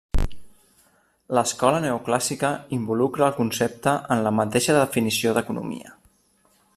L'escola neoclàssica involucra el concepte en la mateixa definició d'economia.